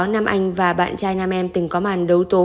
nam anh và bạn trai nam em từng có màn đấu tố